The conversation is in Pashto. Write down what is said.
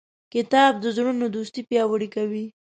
کتاب د زړونو دوستي پیاوړې کوي.